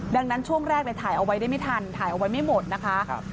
ดังนั้นช่วงแรกเลยถ่ายเอาไว้ได้ไม่ทันถ่ายเอาไว้ไม่หมดนะคะ